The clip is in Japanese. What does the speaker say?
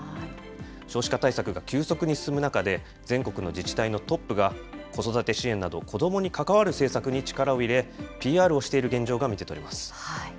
少子化対策が急速に進む中で、全国の自治体のトップが子育て支援など子どもに関わる政策に力を入れ、ＰＲをしている現状が見て取れます。